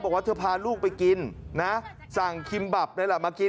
บอกว่าเธอพาลูกไปกินนะสั่งคิมบับเลยล่ะมากิน